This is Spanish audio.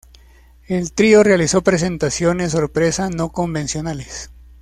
El trío realizó presentaciones sorpresa no convencionales.